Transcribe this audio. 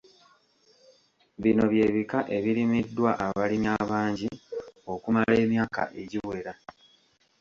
Bino bye bika ebirimiddwa abalimi abangi okumala emyaka egiwera.